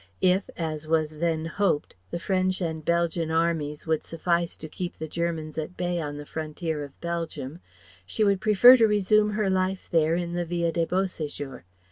If as was then hoped the French and Belgian armies would suffice to keep the Germans at bay on the frontier of Belgium, she would prefer to resume her life there in the Villa de Beau séjour.